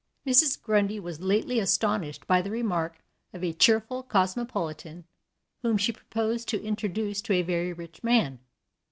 Mrs. Grundy was lately astonished by the remark of a cheerful cosmopolitan whom she proposed to introduce to a very rich man.